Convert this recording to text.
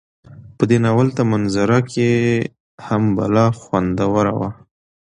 په دې ناول ته منظره کشي هم بلا خوندوره وه